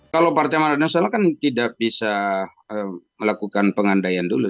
kalau partai amanat nasional kan tidak bisa melakukan pengandaian dulu